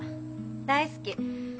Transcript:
大好き。